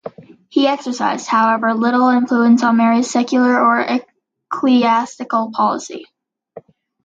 He exercised, however, little influence on Mary's secular or ecclesiastical policy.